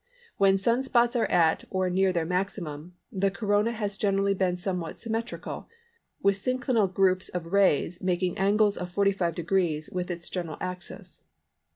When Sun spots are at or near their maximum, the Corona has generally been somewhat symmetrical, with synclinal groups of rays making angles of 45° with its general axis.